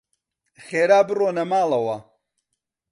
خێرا بڕۆنە ماڵەوە.